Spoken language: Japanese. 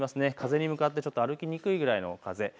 風に向かってちょっと歩きにくいぐらいの風。